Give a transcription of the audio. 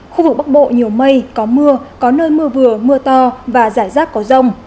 khu vực bắc bộ nhiều mây có mưa có nơi mưa vừa mưa to và rải rác có rông